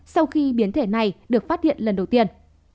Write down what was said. sau khi biến thể này được phát hiện lần đầu tiên